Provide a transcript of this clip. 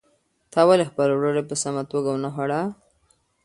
تا ولې خپله ډوډۍ په سمه توګه ونه خوړه؟